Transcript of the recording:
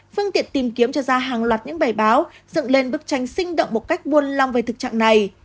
phương tiện tìm kiếm cho ra hàng loạt những bài báo dựng lên bức tranh sinh động một cách buôn long về thực trạng này